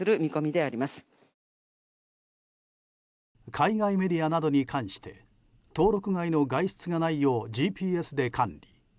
海外メディアなどに関して登録外の外出がないようＧＰＳで管理。